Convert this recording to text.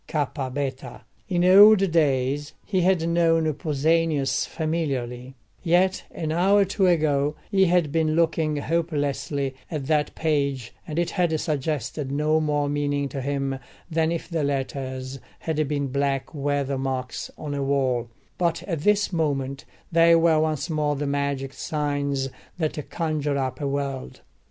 ΚΒ′. In old days he had known Pausanias familiarly; yet an hour or two ago he had been looking hopelessly at that page, and it had suggested no more meaning to him than if the letters had been black weather marks on a wall; but at this moment they were once more the magic signs that conjure up a world.